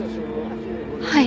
はい。